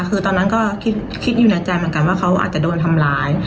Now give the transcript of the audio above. คือตอนนั้นก็คิดอยู่ในใจเหมือนกันว่าเขาอาจจะโดนทำร้าย